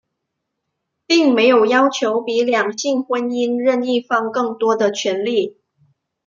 并没有要求比两性婚姻任一方更多的权利。